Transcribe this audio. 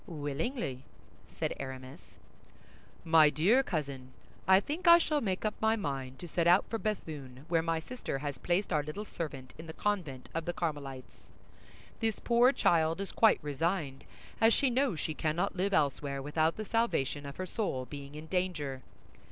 "Willingly," said Aramis. "MY DEAR COUSIN, I think I shall make up my mind to set out for Béthune, where my sister has placed our little servant in the convent of the Carmelites; this poor child is quite resigned, as she knows she cannot live elsewhere without the salvation of her soul being in danger.